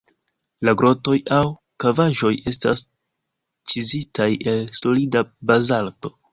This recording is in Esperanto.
La grotoj aŭ kavaĵoj estas ĉizitaj el solida bazalto.